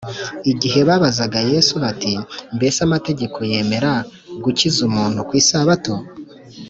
igihe babazaga yesu bati “mbese amategeko yemera gukiza umuntu ku isabato?